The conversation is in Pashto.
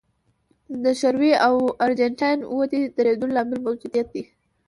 د شوروي او ارجنټاین ودې درېدو لامل موجودیت دی.